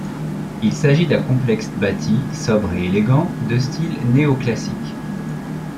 Il s'agit d'un complexe bâti sobre et élégant de style néoclassique.